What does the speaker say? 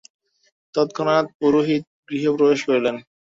তৎক্ষণাৎ পুরোহিত গৃহে প্রবেশ করিলেন।